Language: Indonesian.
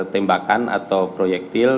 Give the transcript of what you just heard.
tembakan atau proyektil